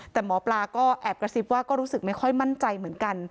แต่หมอปลาก็แอบกระซิบว่าก็รู้สึกไม่ค่อยมั่นใจเหมือนกัน